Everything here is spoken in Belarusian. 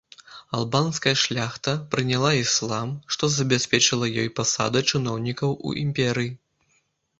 Албанская шляхта прыняла іслам, што забяспечыла ёй пасады чыноўнікаў у імперыі.